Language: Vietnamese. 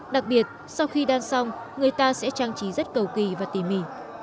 đặc biệt sau khi đan xong người ta sẽ trang trí rất cầu kỳ và tỉ mỉ